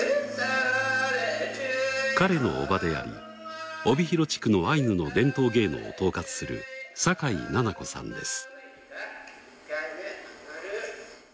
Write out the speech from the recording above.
彼の伯母であり帯広地区のアイヌの伝統芸能を統括する酒井奈々子さんです。